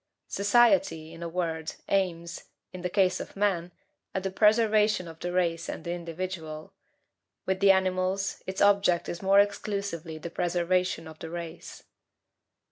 Society, in a word, aims, in the case of man, at the preservation of the race and the individual; with the animals, its object is more exclusively the preservation of the race.